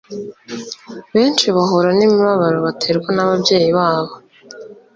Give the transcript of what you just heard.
Benshi bahura nimibabaro baterwa nababyeyi babo